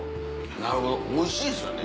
なるほどおいしいですよね。